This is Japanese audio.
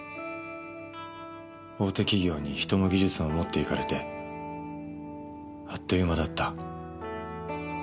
大手企業に人も技術も持っていかれてあっという間だった。